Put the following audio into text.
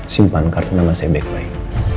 simpan kartu nama saya baik baik